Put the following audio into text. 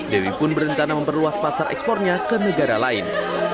dewi pun berencana memperluas pasar ekspornya ke negara lain